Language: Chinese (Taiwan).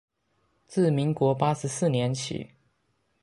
自民國八十四年起